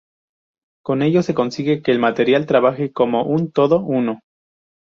Con ello se consigue que el material trabaje como un "todo uno".